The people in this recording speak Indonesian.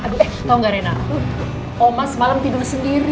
aduh eh tau gak rena oma semalam tidur sendiri